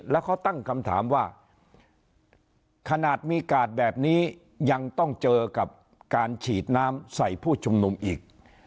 แล้วเขาตั้งคำถามว่าขนาดมีกาดแบบนี้ยังต้องเจอกับการฉีดน้ำใส่ผู้ชุมนุมอีก